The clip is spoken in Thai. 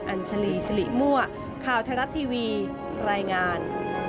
อัญชลีสิริมั่วข่าวไทยรัฐทีวีรายงาน